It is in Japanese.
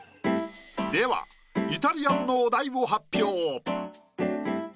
ではイタリアンのお題を発表。